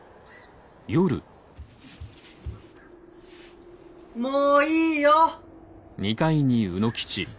もういいよ！